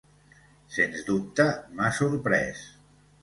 Sens dubte m'ha sorprès.